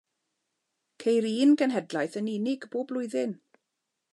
Ceir un genhedlaeth yn unig bob blwyddyn.